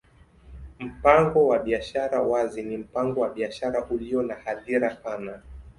Mpango wa biashara wazi ni mpango wa biashara ulio na hadhira pana.